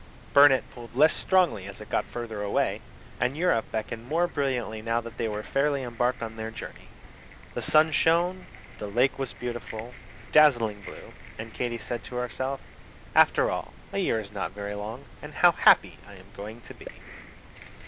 Burnet pulled less strongly as it got farther away, and Europe beckoned more brilliantly now that they were fairly embarked on their journey. The sun shone, the lake was a beautiful, dazzling blue, and Katy said to herself, "After all, a year is not very long, and how happy I am going to be!"